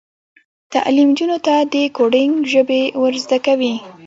تعلیم نجونو ته د کوډینګ ژبې ور زده کوي.